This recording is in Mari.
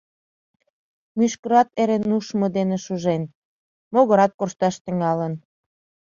Мӱшкырат эре нушмо дене шужен, могырат коршташ тӱҥалын.